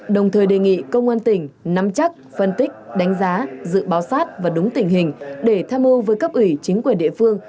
đồng thời đề nghị công an tỉnh nắm chắc phân tích đánh giá dự báo sát và đúng tình hình để tham mưu với cấp ủy chính quyền địa phương